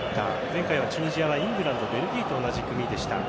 前回、チュニジアはイングランドベルギーと同じ組でした。